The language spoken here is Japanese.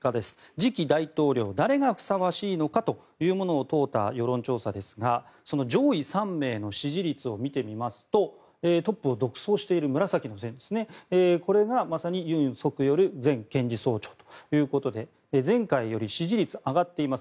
次期大統領誰がふさわしいのかというものを問うた世論調査ですがその上位３名の支持率を見てみますとトップを独走している紫の線がまさにユン・ソクヨル前検事総長ということで前回より支持率が上がっています。